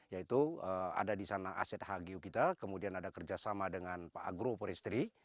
yaitu ada di sana aset hgu kita kemudian ada kerjasama dengan pak agro peristri